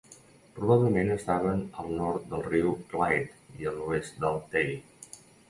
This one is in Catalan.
Probablement estava al nord del Riu Clyde i a l'oest del Tay.